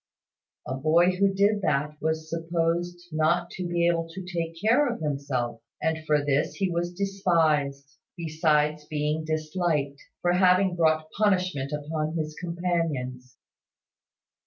A boy who did that was supposed not to be able to take care of himself; and for this he was despised, besides being disliked, for having brought punishment upon his companions.